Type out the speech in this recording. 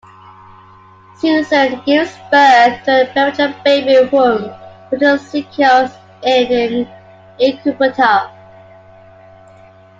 Susan gives birth to a premature baby whom Proteus secures in an incubator.